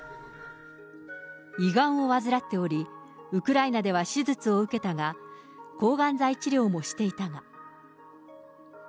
胃がんを患っており、ウクライナでは手術を受けたが、抗がん剤治療もしていたが。